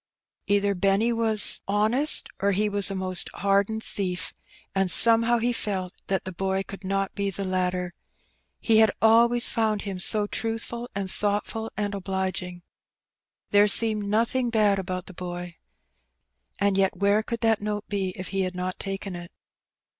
Either Benny was M 162 Heb Benny. honest or he was a most hardened thief^ and somehow he felt that the boy could not be the latter. He had always found him so truthful and thoughtful and obliging. There seemed nothing bad about the boy. And yet where could that note be if he had not taken it?